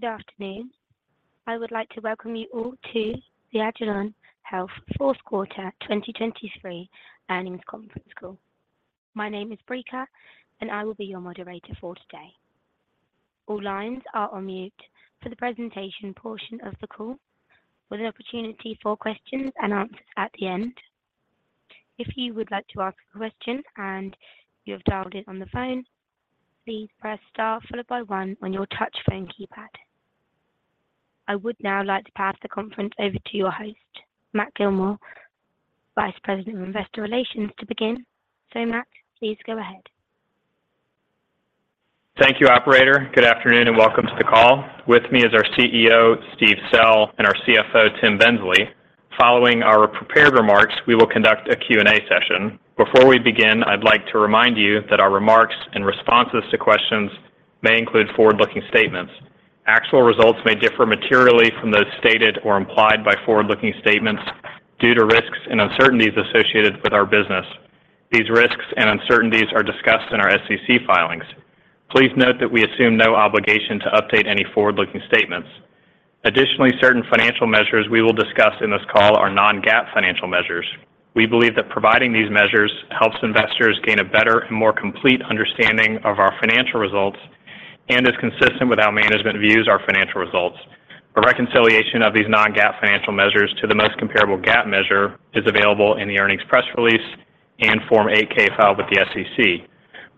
Good afternoon. I would like to welcome you all to the agilon health Fourth Quarter 2023 Earnings Conference Call. My name is Erica, and I will be your moderator for today. All lines are on mute for the presentation portion of the call, with an opportunity for questions and answers at the end. If you would like to ask a question and you have dialed in on the phone, please press Star followed by one on your touch phone keypad. I would now like to pass the conference over to your host, Matt Gillmor, Vice President of Investor Relations, to begin. So Matt, please go ahead. Thank you, operator. Good afternoon, and welcome to the call. With me is our CEO, Steve Sell, and our CFO, Tim Bensley. Following our prepared remarks, we will conduct a Q&A session. Before we begin, I'd like to remind you that our remarks and responses to questions may include forward-looking statements. Actual results may differ materially from those stated or implied by forward-looking statements due to risks and uncertainties associated with our business. These risks and uncertainties are discussed in our SEC filings. Please note that we assume no obligation to update any forward-looking statements. Additionally, certain financial measures we will discuss in this call are non-GAAP financial measures. We believe that providing these measures helps investors gain a better and more complete understanding of our financial results and is consistent with how management views our financial results. A reconciliation of these non-GAAP financial measures to the most comparable GAAP measure is available in the earnings press release and Form 8-K filed with the SEC.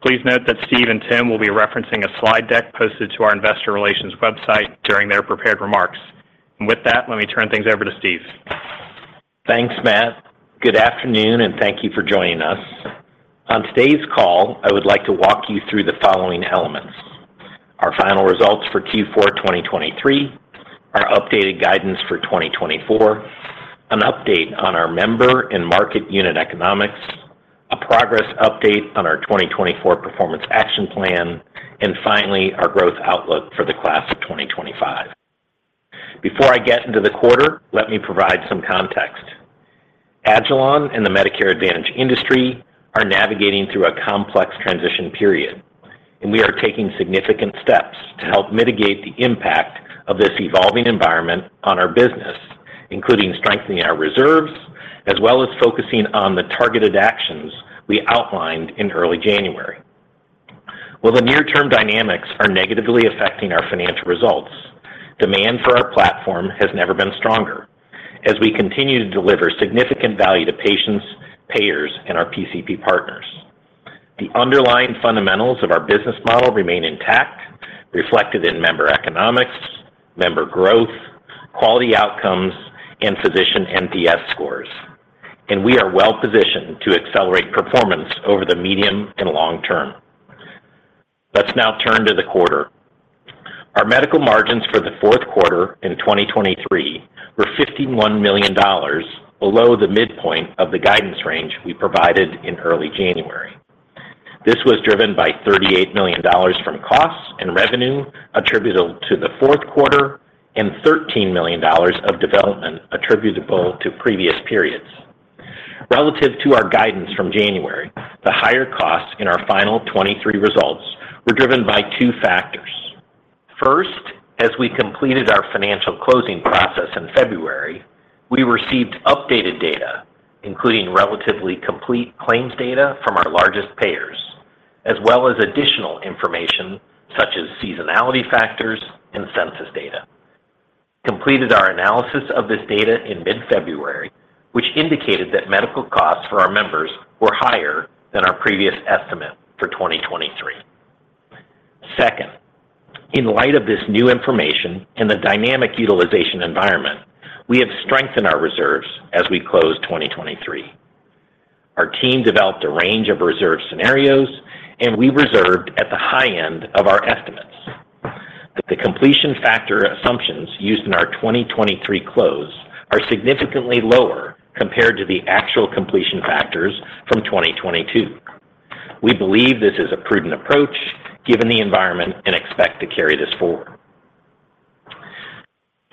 Please note that Steve and Tim will be referencing a slide deck posted to our investor relations website during their prepared remarks. With that, let me turn things over to Steve. Thanks, Matt. Good afternoon, and thank you for joining us. On today's call, I would like to walk you through the following elements: Our final results for Q4 2023, our updated guidance for 2024, an update on our member and market unit economics, a progress update on our 2024 performance action plan, and finally, our growth outlook for the class of 2025. Before I get into the quarter, let me provide some context. agilon and the Medicare Advantage industry are navigating through a complex transition period, and we are taking significant steps to help mitigate the impact of this evolving environment on our business, including strengthening our reserves, as well as focusing on the targeted actions we outlined in early January. While the near term dynamics are negatively affecting our financial results, demand for our platform has never been stronger as we continue to deliver significant value to patients, payers, and our PCP partners. The underlying fundamentals of our business model remain intact, reflected in member economics, member growth, quality outcomes, and physician NPS scores, and we are well positioned to accelerate performance over the medium and long term. Let's now turn to the quarter. Our medical margins for the fourth quarter in 2023 were $51 million below the midpoint of the guidance range we provided in early January. This was driven by $38 million from costs and revenue attributable to the fourth quarter and $13 million of development attributable to previous periods. Relative to our guidance from January, the higher costs in our final 2023 results were driven by two factors. First, as we completed our financial closing process in February, we received updated data, including relatively complete claims data from our largest payers, as well as additional information such as seasonality factors and census data, completed our analysis of this data in mid-February, which indicated that medical costs for our members were higher than our previous estimate for 2023. Second, in light of this new information and the dynamic utilization environment, we have strengthened our reserves as we close 2023. Our team developed a range of reserve scenarios, and we reserved at the high end of our estimates. That the completion factor assumptions used in our 2023 close are significantly lower compared to the actual completion factors from 2022. We believe this is a prudent approach given the environment, and expect to carry this forward.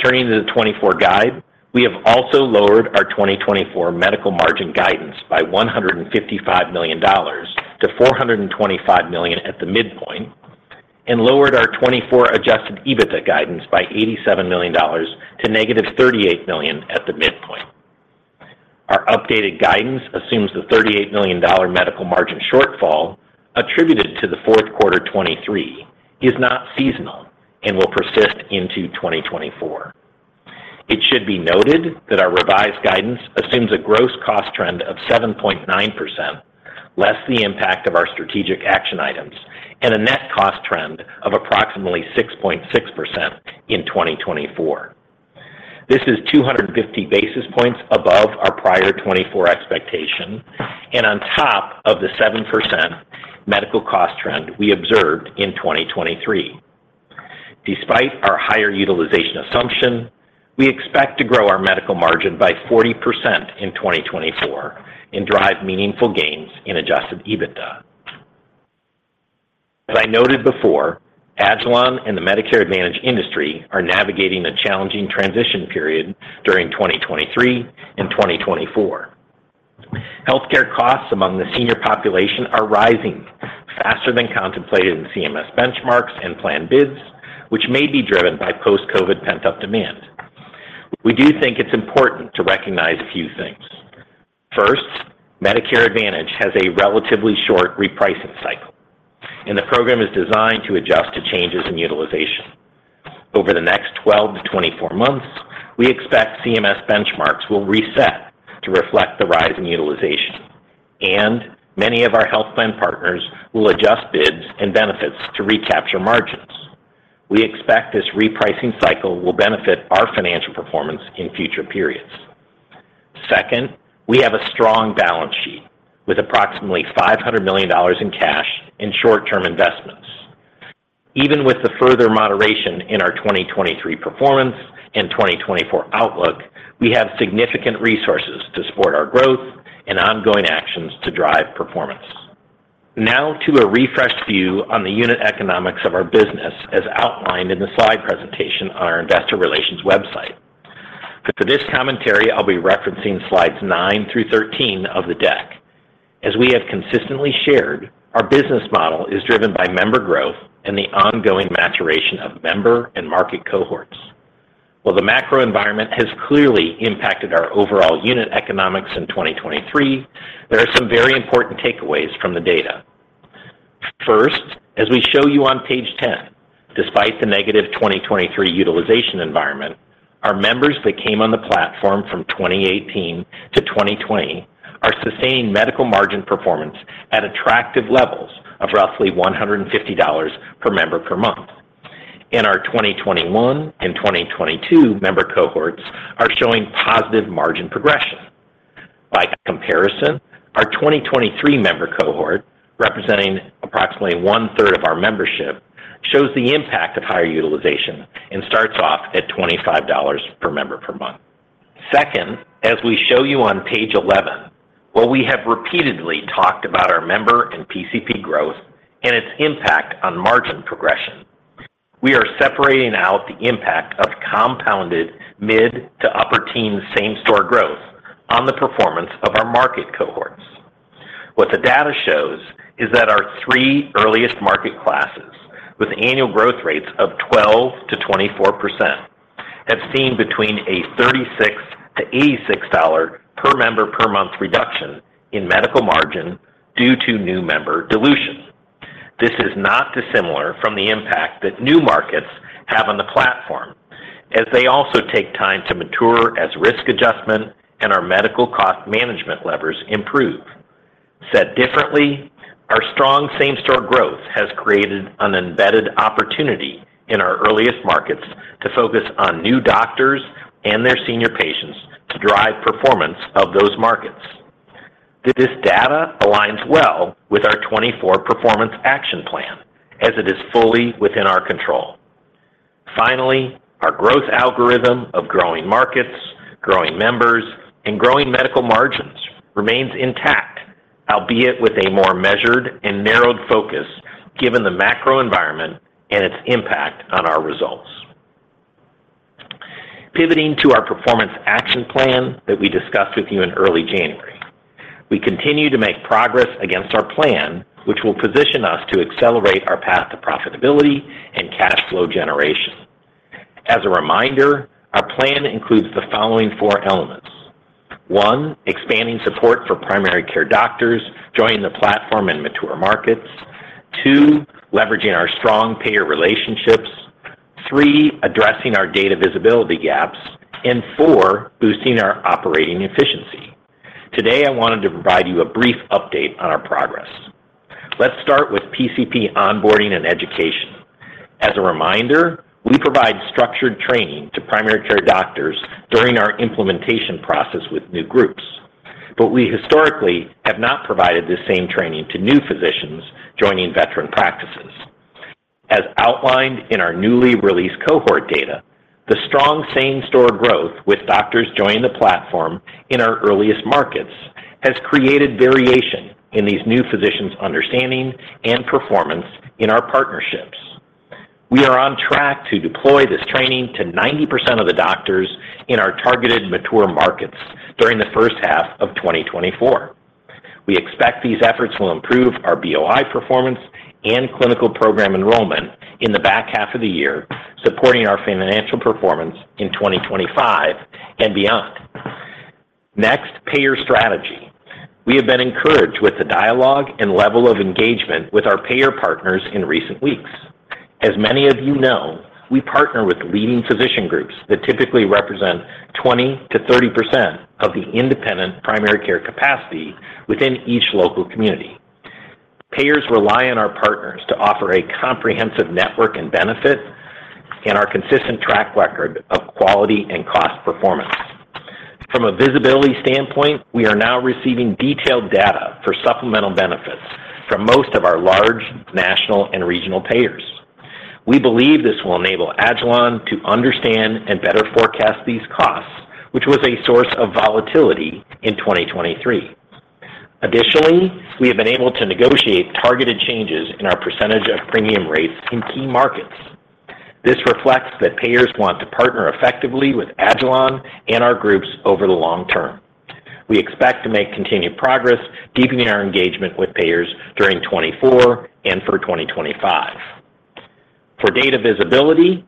Turning to the 2024 guide, we have also lowered our 2024 medical margin guidance by $155 million-$425 million at the midpoint and lowered our 2024 adjusted EBITDA guidance by $87 million to -$38 million at the midpoint. Our updated guidance assumes the $38 million medical margin shortfall attributed to the fourth quarter 2023 is not seasonal and will persist into 2024. It should be noted that our revised guidance assumes a gross cost trend of 7.9%, less the impact of our strategic action items and a net cost trend of approximately 6.6% in 2024. This is 250 basis points above our prior 2024 expectation and on top of the 7% medical cost trend we observed in 2023. Despite our higher utilization assumption, we expect to grow our medical margin by 40% in 2024 and drive meaningful gains in adjusted EBITDA. As I noted before, agilon and the Medicare Advantage industry are navigating a challenging transition period during 2023 and 2024. Healthcare costs among the senior population are rising faster than contemplated in CMS benchmarks and plan bids, which may be driven by post-COVID pent-up demand. We do think it's important to recognize a few things. First, Medicare Advantage has a relatively short repricing cycle, and the program is designed to adjust to changes in utilization. Over the next 12-24 months, we expect CMS benchmarks will reset to reflect the rise in utilization, and many of our health plan partners will adjust bids and benefits to recapture margins. We expect this repricing cycle will benefit our financial performance in future periods. Second, we have a strong balance sheet, with approximately $500 million in cash and short-term investments. Even with the further moderation in our 2023 performance and 2024 outlook, we have significant resources to support our growth and ongoing actions to drive performance. Now to a refreshed view on the unit economics of our business, as outlined in the slide presentation on our investor relations website. For this commentary, I'll be referencing slides nine through 13 of the deck. As we have consistently shared, our business model is driven by member growth and the ongoing maturation of member and market cohorts. While the macro environment has clearly impacted our overall unit economics in 2023, there are some very important takeaways from the data. First, as we show you on page 10, despite the negative 2023 utilization environment, our members that came on the platform from 2018-2020 are sustaining medical margin performance at attractive levels of roughly $150 per member per month. Our 2021 and 2022 member cohorts are showing positive margin progression. By comparison, our 2023 member cohort, representing approximately one-third of our membership, shows the impact of higher utilization and starts off at $25 per member per month. Second, as we show you on page 11, while we have repeatedly talked about our member and PCP growth and its impact on margin progression, we are separating out the impact of compounded mid to upper teen same-store growth on the performance of our market cohorts. What the data shows is that our three earliest market classes, with annual growth rates of 12%-24%, have seen between a $36-$86 per member per month reduction in medical margin due to new member dilution. This is not dissimilar from the impact that new markets have on the platform, as they also take time to mature as risk adjustment and our medical cost management levers improve. Said differently, our strong same-store growth has created an embedded opportunity in our earliest markets to focus on new doctors and their senior patients to drive performance of those markets. This data aligns well with our 2024 performance action plan as it is fully within our control. Finally, our growth algorithm of growing markets, growing members, and growing medical margins remains intact, albeit with a more measured and narrowed focus, given the macro environment and its impact on our results. Pivoting to our performance action plan that we discussed with you in early January. We continue to make progress against our plan, which will position us to accelerate our path to profitability and cash flow generation. As a reminder, our plan includes the following four elements. One, expanding support for primary care doctors joining the platform in mature markets. Two, leveraging our strong payer relationships. Three, addressing our data visibility gaps. And Four, boosting our operating efficiency. Today, I wanted to provide you a brief update on our progress. Let's start with PCP onboarding and education. As a reminder, we provide structured training to primary care doctors during our implementation process with new groups, but we historically have not provided the same training to new physicians joining veteran practices. As outlined in our newly released cohort data, the strong same-store growth with doctors joining the platform in our earliest markets has created variation in these new physicians' understanding and performance in our partnerships. We are on track to deploy this training to 90% of the doctors in our targeted mature markets during the first half of 2024. We expect these efforts will improve our BOI performance and clinical program enrollment in the back half of the year, supporting our financial performance in 2025 and beyond. Next, payer strategy. We have been encouraged with the dialogue and level of engagement with our payer partners in recent weeks. As many of you know, we partner with leading physician groups that typically represent 20%-30% of the independent primary care capacity within each local community. Payers rely on our partners to offer a comprehensive network and benefit and our consistent track record of quality and cost performance. From a visibility standpoint, we are now receiving detailed data for supplemental benefits from most of our large national and regional payers. We believe this will enable agilon to understand and better forecast these costs, which was a source of volatility in 2023. Additionally, we have been able to negotiate targeted changes in our percentage of premium rates in key markets. This reflects that payers want to partner effectively with agilon and our groups over the long term. We expect to make continued progress, deepening our engagement with payers during 2024 and for 2025. For data visibility,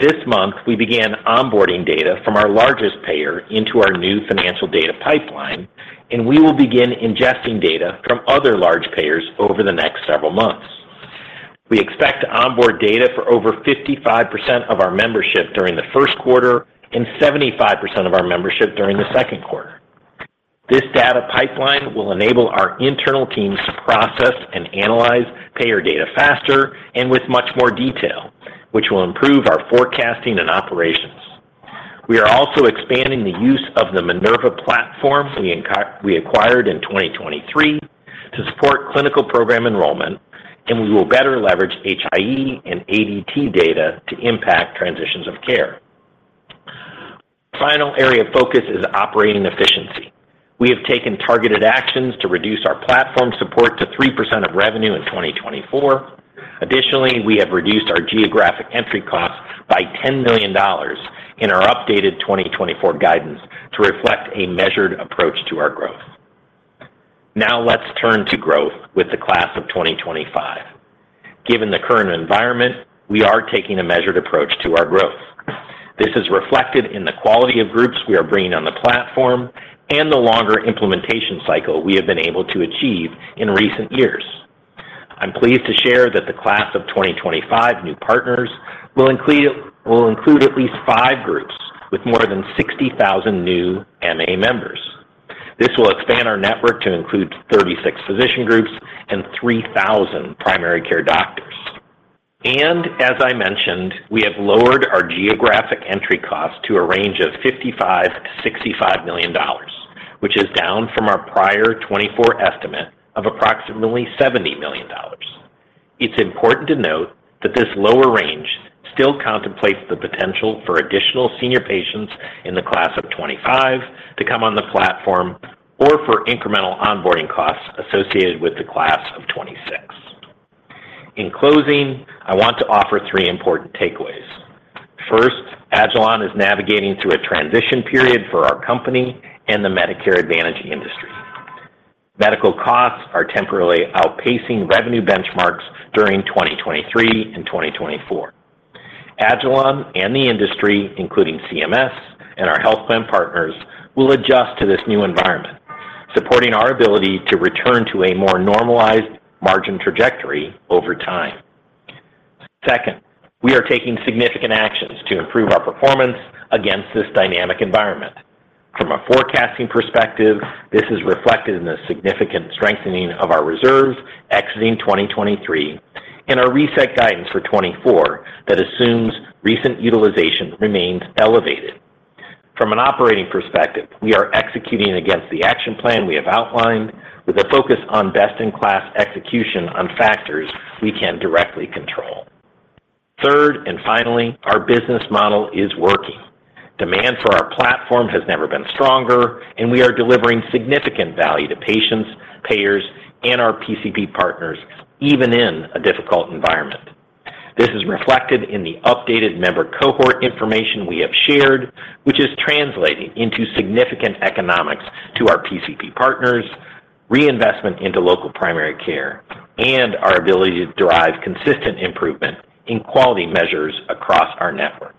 this month, we began onboarding data from our largest payer into our new financial data pipeline, and we will begin ingesting data from other large payers over the next several months. We expect to onboard data for over 55% of our membership during the first quarter and 75% of our membership during the second quarter. This data pipeline will enable our internal teams to process and analyze payer data faster and with much more detail, which will improve our forecasting and operations. We are also expanding the use of the Minerva platform we acquired in 2023 to support clinical program enrollment, and we will better leverage HIE and ADT data to impact transitions of care. Final area of focus is operating efficiency. We have taken targeted actions to reduce our platform support to 3% of revenue in 2024. Additionally, we have reduced our geographic entry costs by $10 million in our updated 2024 guidance to reflect a measured approach to our growth. Now let's turn to growth with the class of 2025. Given the current environment, we are taking a measured approach to our growth. This is reflected in the quality of groups we are bringing on the platform and the longer implementation cycle we have been able to achieve in recent years. I'm pleased to share that the class of 2025 new partners will include at least five groups with more than 60,000 new MA members. This will expand our network to include 36 physician groups and 3,000 primary care doctors. And as I mentioned, we have lowered our geographic entry cost to a range of $55 million-$65 million, which is down from our prior 2024 estimate of approximately $70 million. It's important to note that this lower range still contemplates the potential for additional senior patients in the class of 2025 to come on the platform or for incremental onboarding costs associated with the class of 2026. In closing, I want to offer three important takeaways. First, agilon is navigating through a transition period for our company and the Medicare Advantage industry. Medical costs are temporarily outpacing revenue benchmarks during 2023 and 2024. agilon and the industry, including CMS and our health plan partners, will adjust to this new environment, supporting our ability to return to a more normalized margin trajectory over time. Second, we are taking significant actions to improve our performance against this dynamic environment. From a forecasting perspective, this is reflected in the significant strengthening of our reserves exiting 2023 and our reset guidance for 2024, that assumes recent utilization remains elevated. From an operating perspective, we are executing against the action plan we have outlined with a focus on best-in-class execution on factors we can directly control. Third, and finally, our business model is working. Demand for our platform has never been stronger, and we are delivering significant value to patients, payers, and our PCP partners, even in a difficult environment. This is reflected in the updated member cohort information we have shared, which is translating into significant economics to our PCP partners, reinvestment into local primary care, and our ability to drive consistent improvement in quality measures across our network.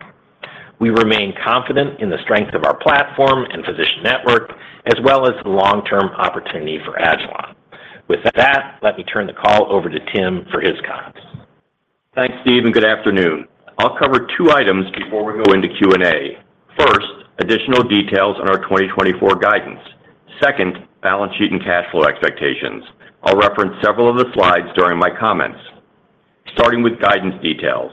We remain confident in the strength of our platform and physician network, as well as the long-term opportunity for agilon. With that, let me turn the call over to Tim for his comments. Thanks, Steve, and good afternoon. I'll cover two items before we go into Q&A. First, additional details on our 2024 guidance. Second, balance sheet and cash flow expectations. I'll reference several of the slides during my comments. Starting with guidance details.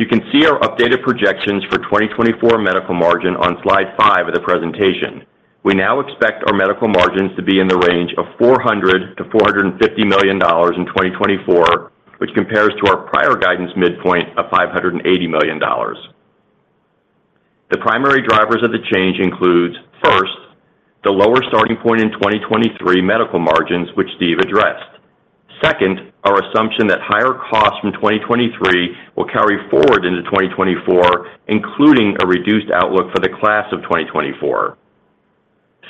You can see our updated projections for 2024 medical margin on slide five of the presentation. We now expect our medical margins to be in the range of $400 million-$450 million in 2024, which compares to our prior guidance midpoint of $580 million. The primary drivers of the change includes, first, the lower starting point in 2023 medical margins, which Steve addressed. Second, our assumption that higher costs from 2023 will carry forward into 2024, including a reduced outlook for the class of 2024.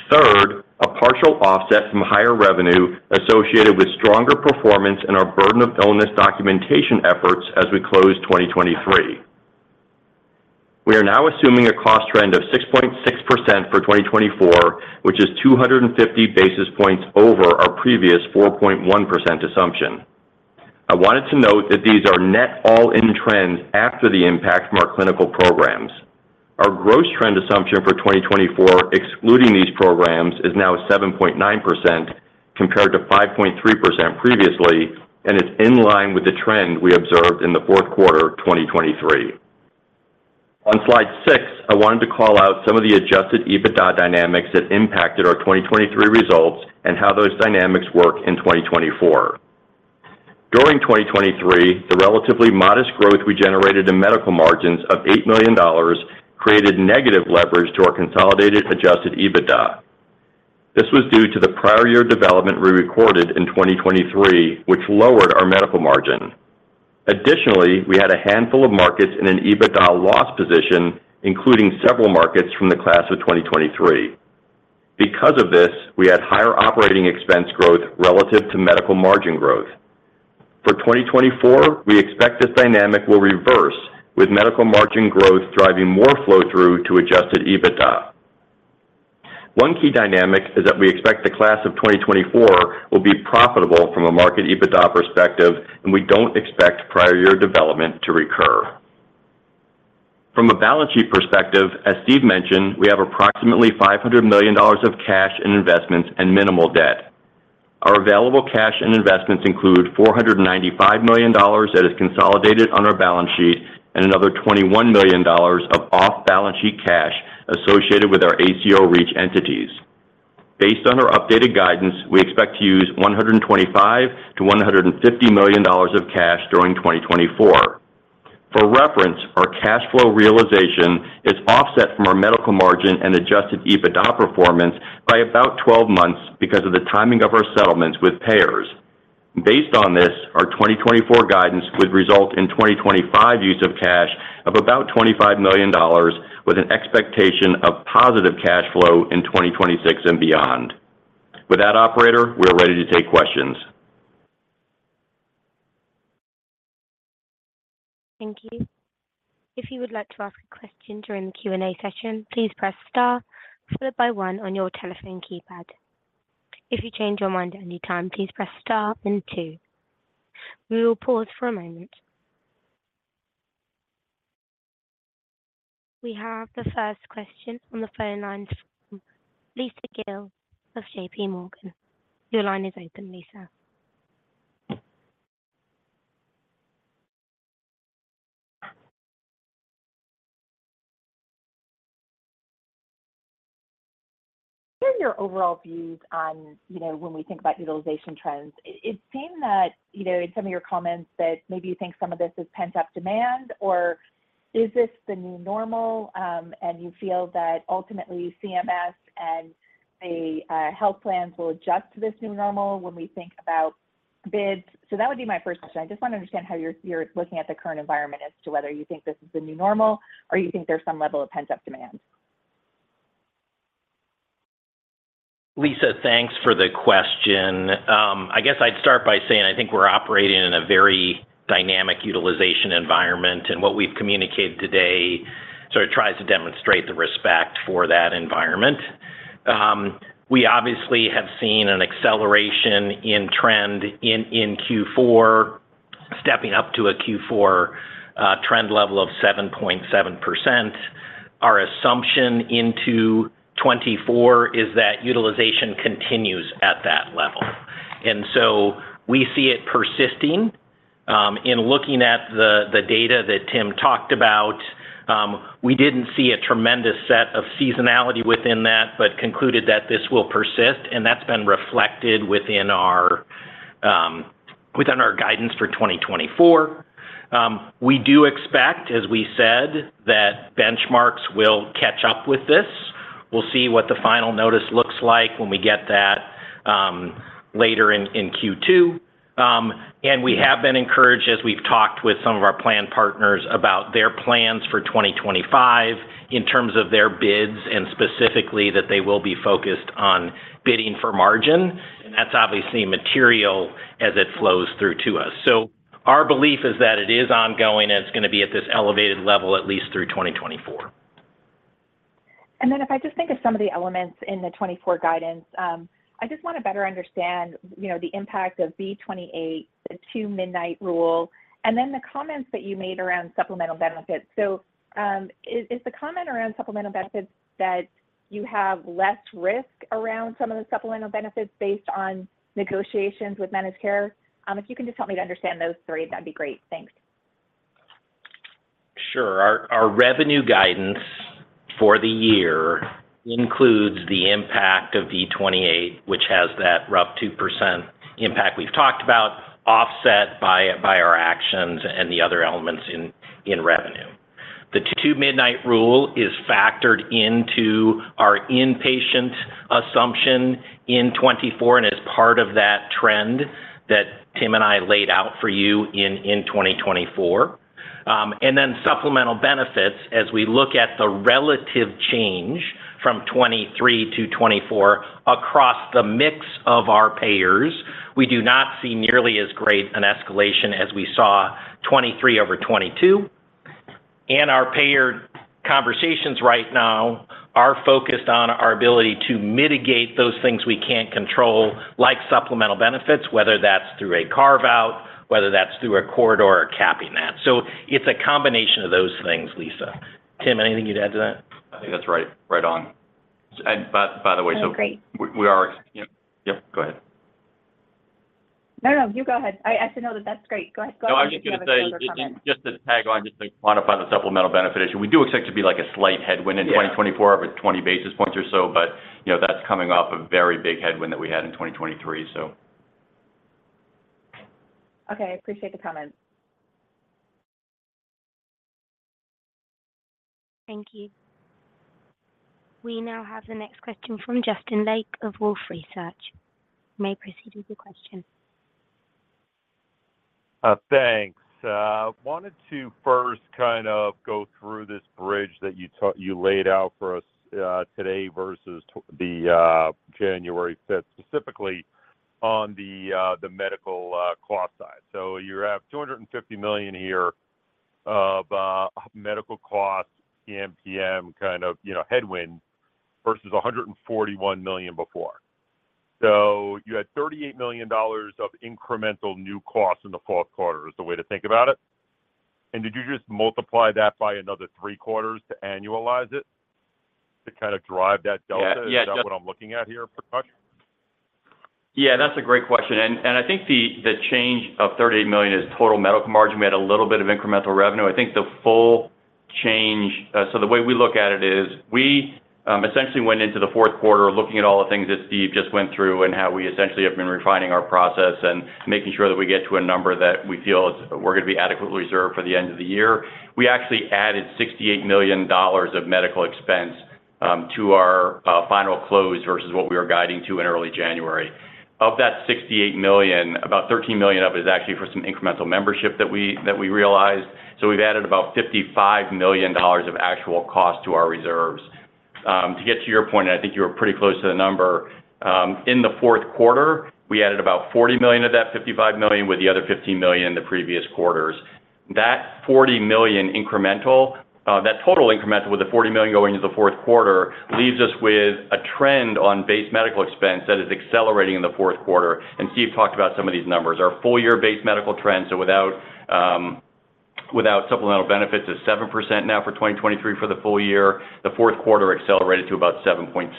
Third, a partial offset from higher revenue associated with stronger performance and our burden of illness documentation efforts as we close 2023. We are now assuming a cost trend of 6.6% for 2024, which is 250 basis points over our previous 4.1% assumption. I wanted to note that these are net all-in trends after the impact from our clinical programs. Our gross trend assumption for 2024, excluding these programs, is now 7.9%, compared to 5.3% previously, and it's in line with the trend we observed in the fourth quarter, 2023. On slide six, I wanted to call out some of the Adjusted EBITDA dynamics that impacted our 2023 results and how those dynamics work in 2024. During 2023, the relatively modest growth we generated in medical margins of $8 million created negative leverage to our consolidated adjusted EBITDA. This was due to the prior year development we recorded in 2023, which lowered our medical margin. Additionally, we had a handful of markets in an EBITDA loss position, including several markets from the class of 2023. Because of this, we had higher operating expense growth relative to medical margin growth. For 2024, we expect this dynamic will reverse, with medical margin growth driving more flow through to adjusted EBITDA. One key dynamic is that we expect the class of 2024 will be profitable from a market EBITDA perspective, and we don't expect prior year development to recur. From a balance sheet perspective, as Steve mentioned, we have approximately $500 million of cash and investments and minimal debt. Our available cash and investments include $495 million that is consolidated on our balance sheet and another $21 million of off-balance sheet cash associated with our ACO REACH entities. Based on our updated guidance, we expect to use $125 million-$150 million of cash during 2024. For reference, our cash flow realization is offset from our medical margin and adjusted EBITDA performance by about 12 months because of the timing of our settlements with payers. Based on this, our 2024 guidance would result in 2025 use of cash of about $25 million, with an expectation of positive cash flow in 2026 and beyond. With that, operator, we are ready to take questions. Thank you. If you would like to ask a question during the Q&A session, please press star followed by one on your telephone keypad. If you change your mind at any time, please press star then two. We will pause for a moment. We have the first question on the phone lines from Lisa Gill of JPMorgan. Your line is open, Lisa. What are your overall views on, you know, when we think about utilization trends, it seemed that, you know, in some of your comments that maybe you think some of this is pent-up demand, or is this the new normal, and you feel that ultimately CMS and the health plans will adjust to this new normal when we think about bids? So that would be my first question. I just want to understand how you're looking at the current environment as to whether you think this is the new normal, or you think there's some level of pent-up demand. Lisa, thanks for the question. I guess I'd start by saying I think we're operating in a very dynamic utilization environment, and what we've communicated today sort of tries to demonstrate the respect for that environment. We obviously have seen an acceleration in trend in Q4, stepping up to a Q4 trend level of 7.7%. Our assumption into 2024 is that utilization continues at that level. And so we see it persisting. In looking at the data that Tim talked about, we didn't see a tremendous set of seasonality within that, but concluded that this will persist, and that's been reflected within our guidance for 2024. We do expect, as we said, that benchmarks will catch up with this. We'll see what the final notice looks like when we get that later in Q2. And we have been encouraged, as we've talked with some of our plan partners about their plans for 2025 in terms of their bids, and specifically that they will be focused on bidding for margin. And that's obviously material as it flows through to us. So our belief is that it is ongoing, and it's going to be at this elevated level at least through 2024. Then if I just think of some of the elements in the 2024 guidance, I just want to better understand, you know, the impact of V28, the Two-Midnight Rule, and then the comments that you made around supplemental benefits. So, is, is the comment around supplemental benefits that you have less risk around some of the supplemental benefits based on negotiations with managed care? If you can just help me to understand those three, that'd be great. Thanks. Sure. Our revenue guidance for the year includes the impact of V28, which has that rough 2% impact we've talked about, offset by our actions and the other elements in revenue. The Two-Midnight Rule is factored into our inpatient assumption in 2024 and is part of that trend that Tim and I laid out for you in 2024. Then supplemental benefits, as we look at the relative change from 2023-2024 across the mix of our payers, we do not see nearly as great an escalation as we saw 2023 over 2022. Our payer conversations right now are focused on our ability to mitigate those things we can't control, like supplemental benefits, whether that's through a carve-out, whether that's through a corridor or capping that. So it's a combination of those things, Lisa. Tim, anything you'd add to that? I think that's right, right on. And by the way- Great. So we are. Yep, go ahead. No, no, you go ahead. I, I said no, that that's great. Go ahead. No, I was just going to say, just to tag on, just to quantify the supplemental benefit issue, we do expect it to be like a slight headwind in 2024- Yeah -over 20 basis points or so, but, you know, that's coming off a very big headwind that we had in 2023, so. Okay. I appreciate the comment. Thank you. We now have the next question from Justin Lake of Wolfe Research. You may proceed with your question. Thanks. Wanted to first kind of go through this bridge that you laid out for us, today versus the January fifth, specifically on the medical cost side. So you have $250 million a year of medical costs, PMPM, kind of, you know, headwind, versus $141 million before. So you had $38 million of incremental new costs in the fourth quarter, is the way to think about it? And did you just multiply that by another three quarters to annualize it, to kind of drive that delta? Yeah, yeah, Justin- Is that what I'm looking at here for? Yeah, that's a great question, and I think the change of $38 million is total medical margin. We had a little bit of incremental revenue. I think the full change, so the way we look at it is, we essentially went into the fourth quarter looking at all the things that Steve just went through, and how we essentially have been refining our process and making sure that we get to a number that we feel is, we're gonna be adequately reserved for the end of the year. We actually added $68 million of medical expense to our final close, versus what we were guiding to in early January. Of that $68 million, about $13 million of it is actually for some incremental membership that we realized, so we've added about $55 million of actual cost to our reserves. To get to your point, and I think you were pretty close to the number, in the fourth quarter, we added about $40 million of that $55 million, with the other $15 million in the previous quarters. That $40 million incremental, that total incremental, with the $40 million going into the fourth quarter, leaves us with a trend on base medical expense that is accelerating in the fourth quarter, and Steve talked about some of these numbers. Our full year base medical trends are without, without supplemental benefits, is 7% now for 2023 for the full year. The fourth quarter accelerated to about 7.7%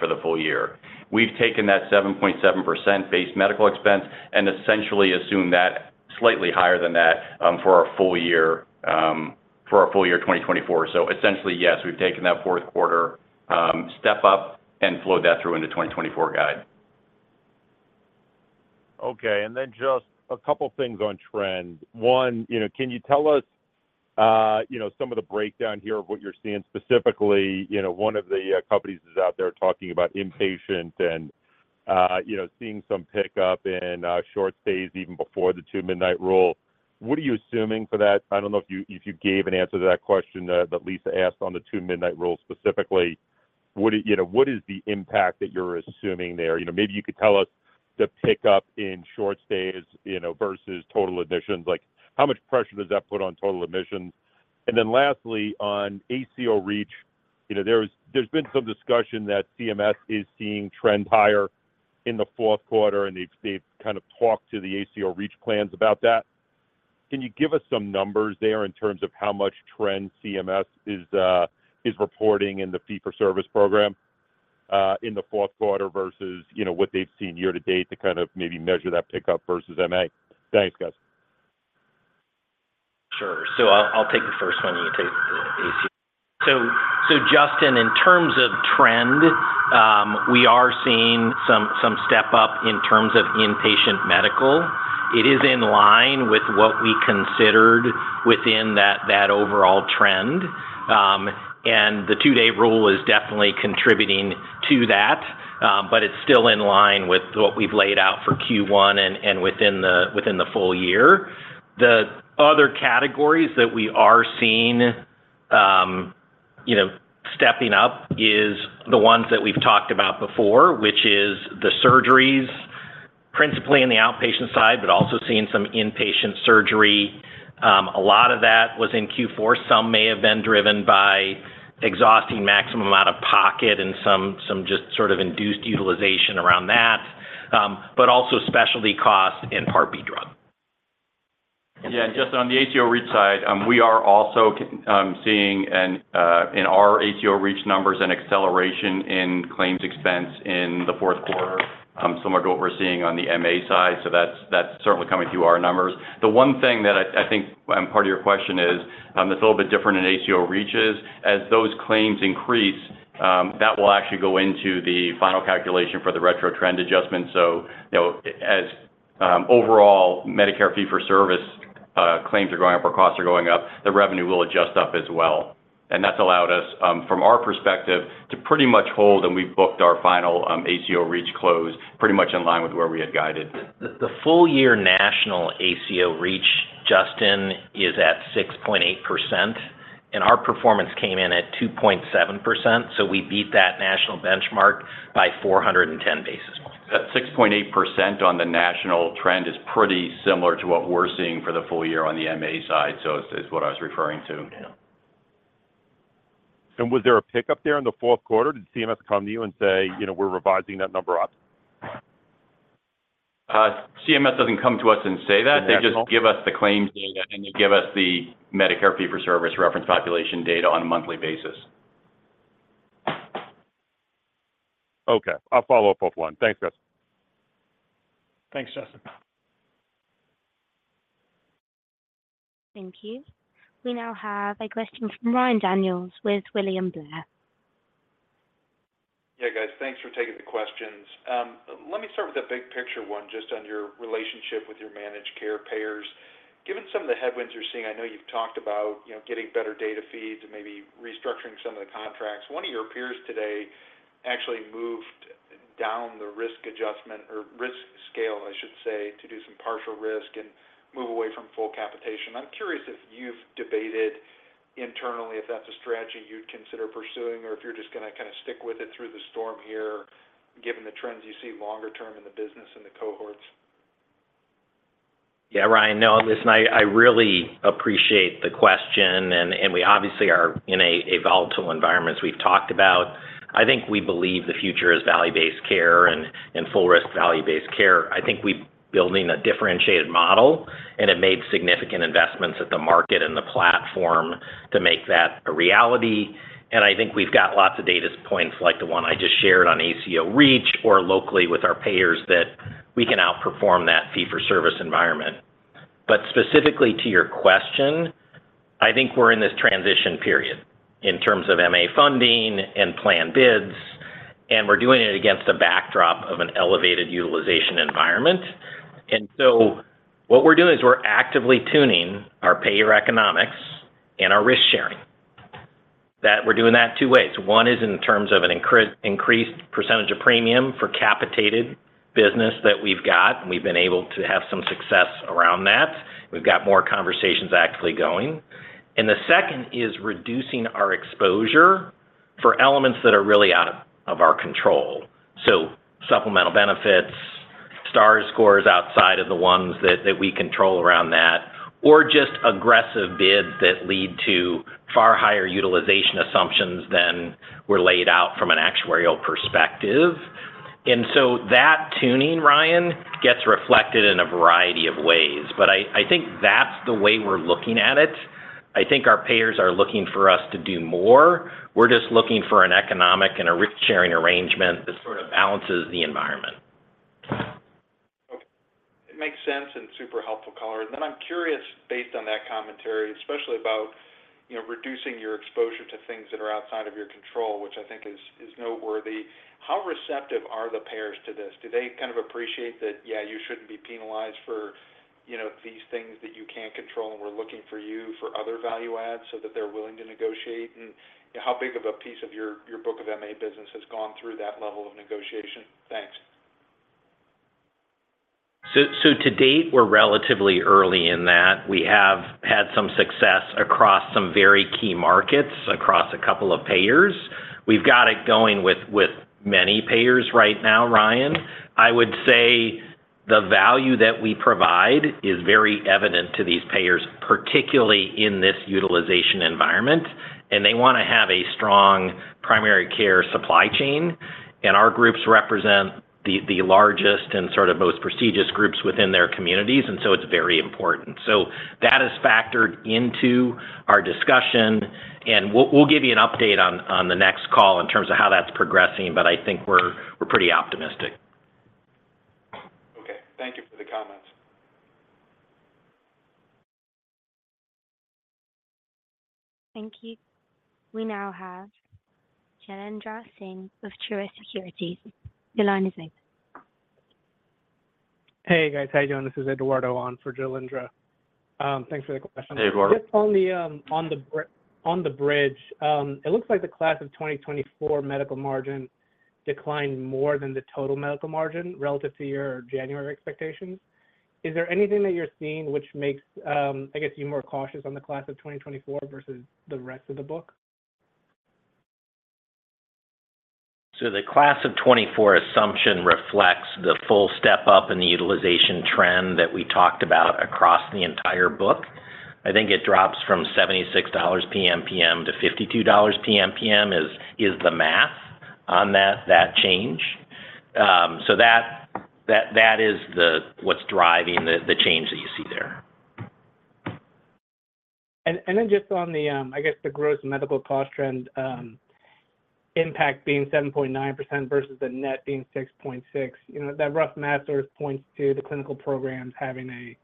for the full year. We've taken that 7.7% base medical expense and essentially assumed that, slightly higher than that, for our full year, for our full year 2024. Essentially, yes, we've taken that fourth quarter step up and flowed that through into 2024 guide. Okay, and then just a couple things on trend. One, you know, can you tell us, you know, some of the breakdown here of what you're seeing specifically, you know, one of the companies is out there talking about inpatient and, you know, seeing some pickup in short stays even before the Two-Midnight Rule. What are you assuming for that? I don't know if you gave an answer to that question that Lisa asked on the Two-Midnight Rule specifically. What is, you know, what is the impact that you're assuming there? You know, maybe you could tell us the pickup in short stays, you know, versus total admissions, like, how much pressure does that put on total admissions? Then lastly, on ACO REACH, you know, there was, there's been some discussion that CMS is seeing trends higher in the fourth quarter, and they've, they've kind of talked to the ACO REACH plans about that. Can you give us some numbers there in terms of how much trend CMS is, is reporting in the fee-for-service program, in the fourth quarter versus, you know, what they've seen year to date to kind of maybe measure that pickup versus MA? Thanks, guys. Sure. So I'll take the first one, and you take the ACO. So Justin, in terms of trend, we are seeing some step up in terms of inpatient medical. It is in line with what we considered within that overall trend. And the Two-Day Rule is definitely contributing to that, but it's still in line with what we've laid out for Q1 and within the full year. The other categories that we are seeing, you know, stepping up is the ones that we've talked about before, which is the surgeries, principally in the outpatient side, but also seeing some inpatient surgery. A lot of that was in Q4. Some may have been driven by exhausting maximum out-of-pocket and some just sort of induced utilization around that, but also specialty costs in Part B drug. Yeah, and just on the ACO REACH side, we are also seeing an acceleration in our ACO REACH numbers in claims expense in the fourth quarter, similar to what we're seeing on the MA side, so that's certainly coming through our numbers. The one thing that I think part of your question is, it's a little bit different in ACO REACH. As those claims increase, that will actually go into the final calculation for the retro trend adjustment. So, you know, as overall Medicare fee-for-service claims are going up or costs are going up, the revenue will adjust up as well. And that's allowed us, from our perspective, to pretty much hold, and we've booked our final ACO REACH close, pretty much in line with where we had guided. The full year national ACO REACH, Justin, is at 6.8%, and our performance came in at 2.7%, so we beat that national benchmark by 410 basis points. That 6.8% on the national trend is pretty similar to what we're seeing for the full year on the MA side. So it's what I was referring to. Yeah. Was there a pickup there in the fourth quarter? Did CMS come to you and say, "You know, we're revising that number up? CMS doesn't come to us and say that. They just give us the claims data, and they give us the Medicare fee-for-service reference population data on a monthly basis. Okay. I'll follow up offline. Thanks, guys. Thanks, Justin. Thank you. We now have a question from Ryan Daniels with William Blair. Hey, guys. Thanks for taking the questions. Let me start with the big picture one, just on your relationship with your managed care payers. Given some of the headwinds you're seeing, I know you've talked about, you know, getting better data feeds and maybe restructuring some of the contracts. One of your peers today actually moved down the risk adjustment, or risk scale, I should say, to do some partial risk and move away from full capitation. I'm curious if you've debated internally if that's a strategy you'd consider pursuing, or if you're just gonna kind of stick with it through the storm here, given the trends you see longer term in the business and the cohorts? Yeah, Ryan, no, listen, I really appreciate the question, and we obviously are in a volatile environment, as we've talked about. I think we believe the future is value-based care and full risk value-based care. I think we've building a differentiated model, and it made significant investments at the market and the platform to make that a reality, and I think we've got lots of data points like the one I just shared on ACO REACH, or locally with our payers, that we can outperform that fee-for-service environment. But specifically to your question, I think we're in this transition period in terms of MA funding and plan bids, and we're doing it against a backdrop of an elevated utilization environment. And so what we're doing is we're actively tuning our payer economics and our risk sharing. That, we're doing that two ways. One is in terms of an increased percentage of premium for capitated business that we've got, and we've been able to have some success around that. We've got more conversations actively going. And the second is reducing our exposure for elements that are really out of our control. So supplemental benefits, star scores outside of the ones that we control around that, or just aggressive bids that lead to far higher utilization assumptions than were laid out from an actuarial perspective. And so that tuning, Ryan, gets reflected in a variety of ways. But I think that's the way we're looking at it. I think our payers are looking for us to do more. We're just looking for an economic and a risk-sharing arrangement that sort of balances the environment. Okay. It makes sense and super helpful color. And then I'm curious, based on that commentary, especially about, you know, reducing your exposure to things that are outside of your control, which I think is noteworthy, how receptive are the payers to this? Do they kind of appreciate that, yeah, you shouldn't be penalized for, you know, these things that you can't control, and we're looking for you for other value adds so that they're willing to negotiate? And how big of a piece of your book of MA business has gone through that level of negotiation? Thanks. So, so to date, we're relatively early in that. We have had some success across some very key markets, across a couple of payers. We've got it going with, with many payers right now, Ryan. I would say the value that we provide is very evident to these payers, particularly in this utilization environment, and they wanna have a strong primary care supply chain, and our groups represent the, the largest and sort of most prestigious groups within their communities, and so it's very important. So that is factored into our discussion, and we'll, we'll give you an update on, on the next call in terms of how that's progressing, but I think we're, we're pretty optimistic. Okay. Thank you for the comments. Thank you. We now have Jailendra Singh of Truist Securities. Your line is open. Hey, guys. How you doing? This is Eduardo on for Jailendra. Thanks for the question. Hey, Eduardo. Just on the bridge, it looks like the class of 2024 medical margin declined more than the total medical margin, relative to your January expectations. Is there anything that you're seeing which makes, I guess, you more cautious on the class of 2024 versus the rest of the book? So the class of 2024 assumption reflects the full step up in the utilization trend that we talked about across the entire book. I think it drops from $76 PMPM-$52 PMPM, is the math on that change. So that is the- what's driving the change that you see there. And then just on the, I guess, the gross medical cost trend, impact being 7.9% versus the net being 6.6%, you know, that rough math sort of points to the clinical programs having a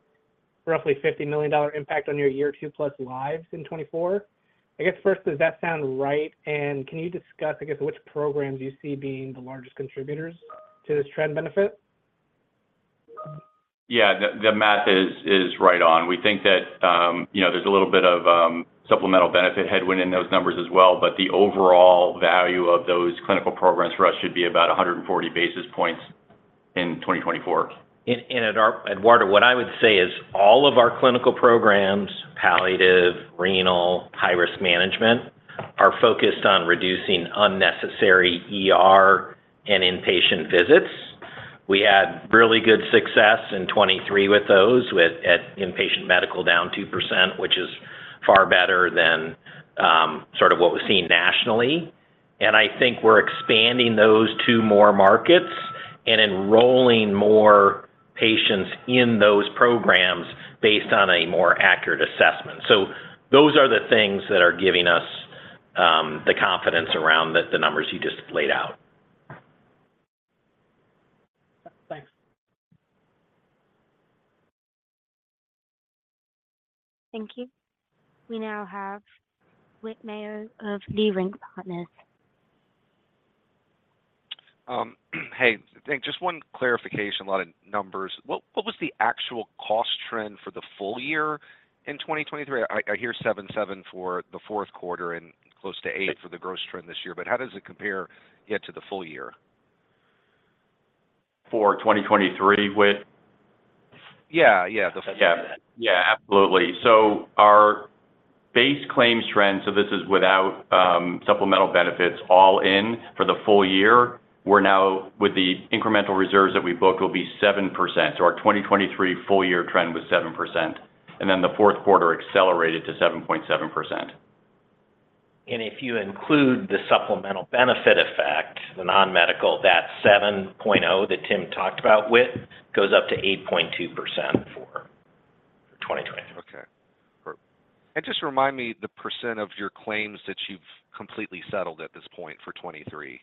roughly $50 million impact on your year two plus lives in 2024. I guess, first, does that sound right? And can you discuss, I guess, which programs you see being the largest contributors to this trend benefit? Yeah, the math is right on. We think that, you know, there's a little bit of supplemental benefit headwind in those numbers as well, but the overall value of those clinical programs for us should be about 100 basis points in 2024. And Eduardo, what I would say is all of our clinical programs, palliative, renal, high-risk management, are focused on reducing unnecessary ER and inpatient visits. We had really good success in 2023 with those, with at inpatient medical down 2%, which is far better than, sort of what we've seen nationally. And I think we're expanding those to more markets and enrolling more patients in those programs based on a more accurate assessment. So those are the things that are giving us the confidence around the numbers you just laid out. Thanks. Thank you. We now have Whit Mayo of Leerink Partners. Hey, I think just one clarification, a lot of numbers. What was the actual cost trend for the full year in 2023? I hear 7.7 for the fourth quarter and close to eight for the gross trend this year, but how does it compare yet to the full year? For 2023, Whit? Yeah, yeah, yeah. Yeah, absolutely. So our base claims trend, so this is without, supplemental benefits all in for the full year. We're now, with the incremental reserves that we booked, will be 7%. So our 2023 full year trend was 7%, and then the fourth quarter accelerated to 7.7%. If you include the supplemental benefit effect, the non-medical, that 7.0 that Tim talked about, Whit, goes up to 8.2% for 2023. Okay. Just remind me, the % of your claims that you've completely settled at this point for 2023.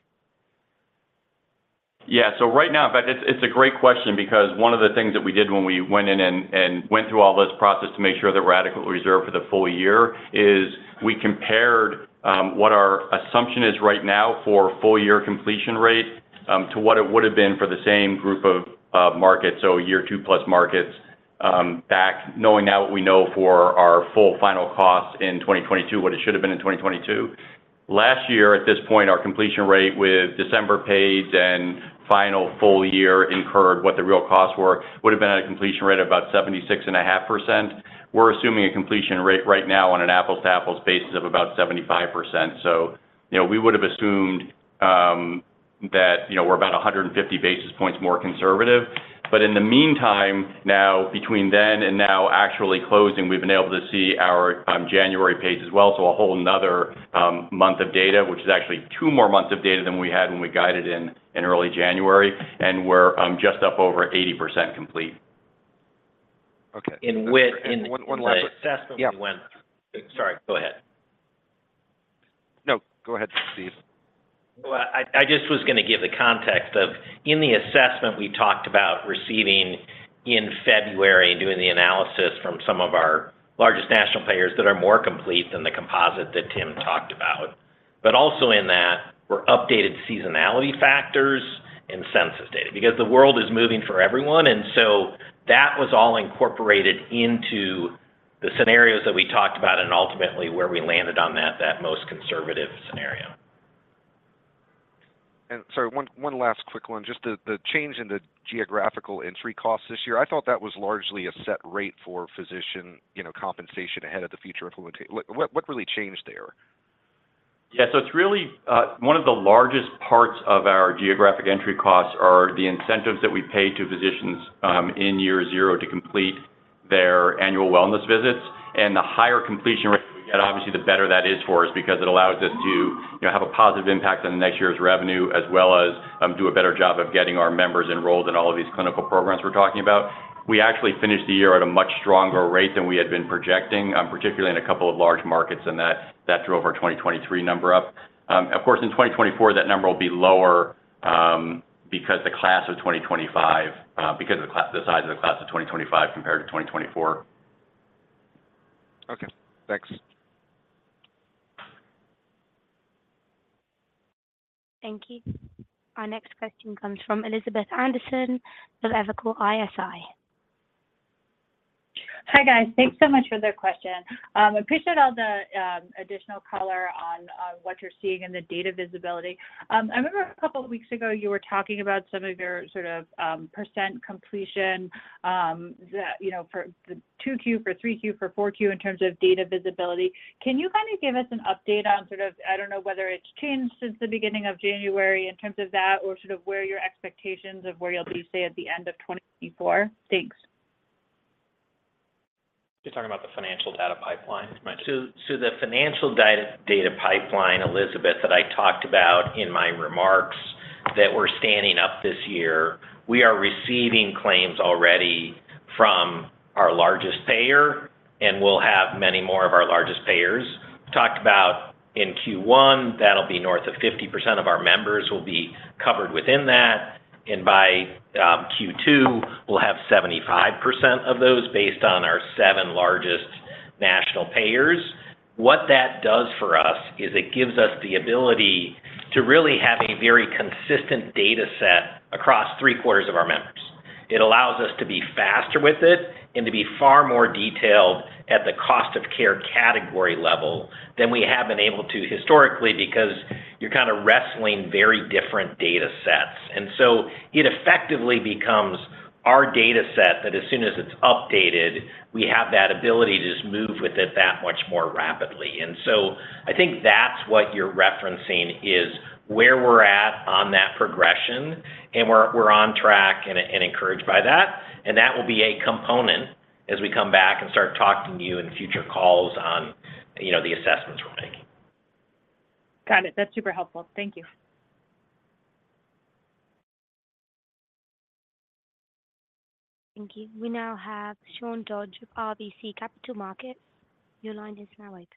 Yeah. So right now, but it's, it's a great question because one of the things that we did when we went in and, and went through all this process to make sure that we're adequately reserved for the full year, is we compared what our assumption is right now for full year completion rate to what it would have been for the same group of markets. So year two plus markets back, knowing now what we know for our full final costs in 2022, what it should have been in 2022. Last year, at this point, our completion rate with December pays and final full year incurred, what the real costs were, would have been at a completion rate of about 76.5%. We're assuming a completion rate right now on an apples-to-apples basis of about 75%. So, you know, we would have assumed that, you know, we're about 150 basis points more conservative. But in the meantime, now, between then and now actually closing, we've been able to see our January pace as well. So a whole another month of data, which is actually two more months of data than we had when we guided in early January, and we're just up over 80% complete. Okay. Whit, in- One, one last- Sorry, go ahead. No, go ahead, Steve. Well, I just was gonna give the context of, in the assessment we talked about receiving in February, doing the analysis from some of our largest national payers that are more complete than the composite that Tim talked about. But also in that, were updated seasonality factors and census data, because the world is moving for everyone, and so that was all incorporated into the scenarios that we talked about and ultimately where we landed on that, that most conservative scenario. Sorry, one last quick one. Just the change in the geographical entry costs this year, I thought that was largely a set rate for physician, you know, compensation ahead of the future implementa-- What really changed there? Yeah, so it's really one of the largest parts of our geographic entry costs are the incentives that we pay to physicians in year zero to complete their annual wellness visits. And the higher completion rate we get, obviously, the better that is for us because it allows us to, you know, have a positive impact on next year's revenue, as well as do a better job of getting our members enrolled in all of these clinical programs we're talking about. We actually finished the year at a much stronger rate than we had been projecting, particularly in a couple of large markets, and that drove our 2023 number up. Of course, in 2024, that number will be lower, because of the size of the class of 2025 compared to 2024. Okay, thanks. Thank you. Our next question comes from Elizabeth Anderson of Evercore ISI. Hi, guys. Thanks so much for the question. Appreciate all the additional color on what you're seeing in the data visibility. I remember a couple of weeks ago, you were talking about some of your, sort of, percent completion, you know, for the 2Q, for 3Q, for 4Q in terms of data visibility. Can you kind of give us an update on sort of- I don't know whether it's changed since the beginning of January in terms of that or sort of where your expectations of where you'll be, say, at the end of 2024? Thanks. You're talking about the financial data pipeline? So, so the financial data pipeline, Elizabeth, that I talked about in my remarks that we're standing up this year, we are receiving claims already from our largest payer, and we'll have many more of our largest payers. Talked about in Q1, that'll be north of 50% of our members will be covered within that, and by Q2, we'll have 75% of those based on our seven largest national payers. What that does for us is it gives us the ability to really have a very consistent data set across three-quarters of our members. It allows us to be faster with it, and to be far more detailed at the cost of care category level than we have been able to historically, because you're kind of wrestling very different data sets. So it effectively becomes our data set that as soon as it's updated, we have that ability to just move with it that much more rapidly. I think that's what you're referencing is where we're at on that progression, and we're on track and encouraged by that. That will be a component as we come back and start talking to you in future calls on, you know, the assessments we're making. Got it. That's super helpful. Thank you. Thank you. We now have Sean Dodge of RBC Capital Markets. Your line is now open.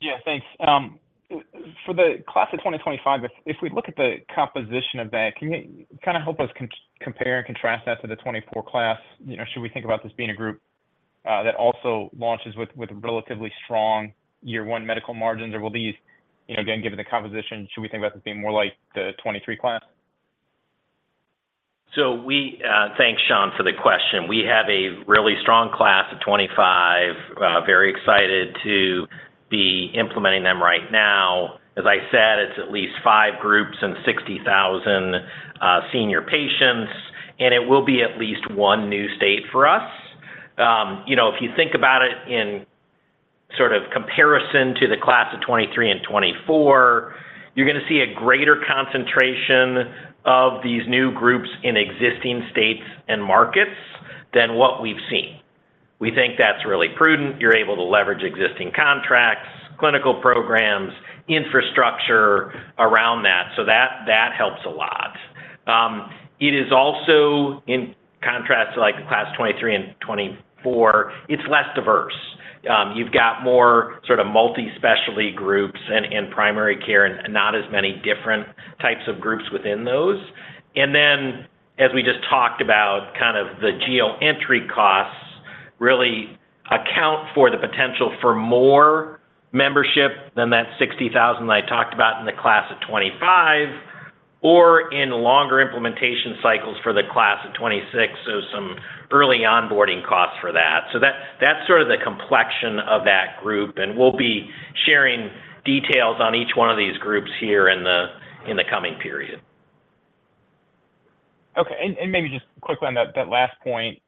Yeah, thanks. For the class of 2025, if we look at the composition of that, can you kind of help us compare and contrast that to the 2024 class? You know, should we think about this being a group that also launches with relatively strong year one medical margins? Or will these, you know, again, given the composition, should we think about this being more like the 2023 class? So we, thanks, Sean, for the question. We have a really strong class of 2025. Very excited to be implementing them right now. As I said, it's at least five groups and 60,000 senior patients, and it will be at least one new state for us. You know, if you think about it in sort of comparison to the class of 2023 and 2024, you're gonna see a greater concentration of these new groups in existing states and markets than what we've seen. We think that's really prudent. You're able to leverage existing contracts, clinical programs, infrastructure around that. So that, that helps a lot. It is also, in contrast to, like, the class of 2023 and 2024, it's less diverse. You've got more sort of multi-specialty groups and, and primary care and not as many different types of groups within those. And then, as we just talked about, kind of the geo entry costs really account for the potential for more membership than that 60,000 I talked about in the class of 2025, or in longer implementation cycles for the class of 2026, so some early onboarding costs for that. So that's sort of the complexion of that group, and we'll be sharing details on each one of these groups here in the coming period. Okay, and maybe just quickly on that last point.